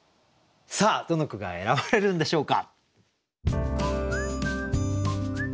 さあどの句が選ばれるんでしょうか。